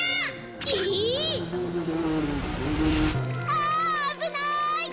ああぶない！